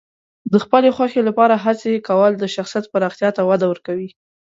د خپلې خوښې لپاره هڅې کول د شخصیت پراختیا ته وده ورکوي.